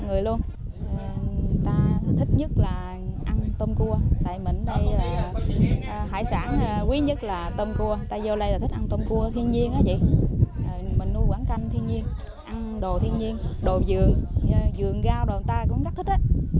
thì bảy mươi tám mươi người luôn ta thích nhất là ăn tôm cua tại mình đây là hải sản quý nhất là tôm cua ta vô đây là thích ăn tôm cua thiên nhiên mình nuôi quán canh thiên nhiên ăn đồ thiên nhiên đồ dường dường gao đồ ta cũng rất thích